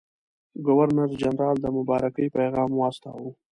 ګورنرجنرال د مبارکۍ پیغام واستاوه.